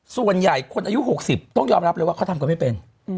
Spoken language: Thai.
ส่วนใหญ่คนอายุ๖๐ต้องยอมรับเลยว่าเขาทำกันไม่เป็น